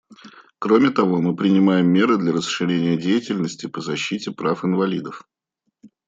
Кроме того, мы принимаем меры для расширения деятельности по защите прав инвалидов.